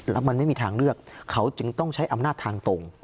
แล้วมันไม่มีทางเลือกเขาจึงต้องใช้อำนาจทางตรง